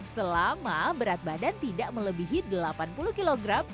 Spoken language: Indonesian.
selama berat badan tidak melebihi delapan puluh kg